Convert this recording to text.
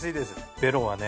ベロはね